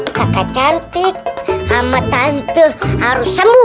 biar ibu kakak cantik sama tante harus sembuh